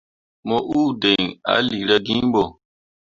Mo uu diŋ ah lira gin bo.